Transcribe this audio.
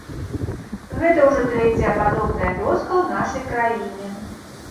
Гэта ўжо трэцяя падобная вёска ў нашай краіне.